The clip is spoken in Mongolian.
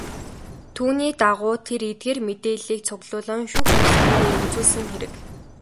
Түүний дагуу тэр эдгээр мэдээллийг цуглуулан шүүх ажиллагаан дээр үзүүлсэн хэрэг.